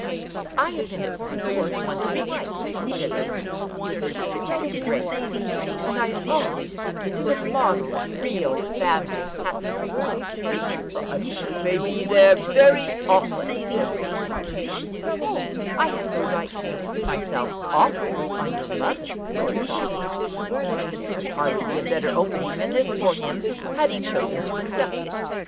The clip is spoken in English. "I have been at Fawn Court once or twice," said Lizzie, with her sweetest grace, "and I always think it a model of real family happiness." "I hope you may be there very often," said Lord Fawn. "Ah, I have no right to intrude myself often on your mother, Lord Fawn." There could hardly be a better opening than this for him had he chosen to accept it.